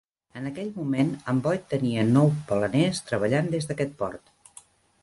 En aquell moment, en Boyd tenia nou baleners treballant des d'aquest port.